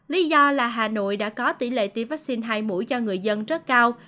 lý do là hà nội đã có tỷ lệ tiêm vaccine hai mũi cho người dân rất cao